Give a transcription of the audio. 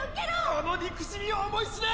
この憎しみを思い知れ！